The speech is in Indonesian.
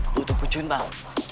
lu tuh pucundang